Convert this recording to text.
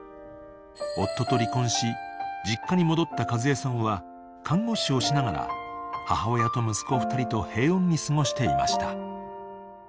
［夫と離婚し実家に戻った和枝さんは看護師をしながら母親と息子２人と平穏に過ごしていました］